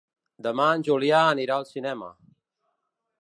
Demà en Julià anirà al cinema.